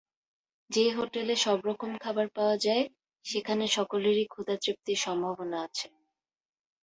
যে হোটেলে সব রকম খাবার পাওয়া যায়, সেখানে সকলেরই ক্ষুধাতৃপ্তির সম্ভাবনা আছে।